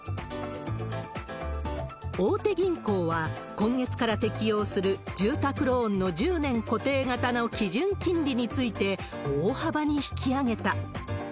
大手銀行は、今月から適用する住宅ローンの１０年固定型の基準金利について、大幅に引き上げた。